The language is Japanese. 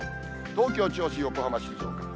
東京、銚子、横浜、静岡。